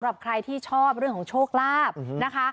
ใครที่ชอบเรื่องของโชคลาภนะคะ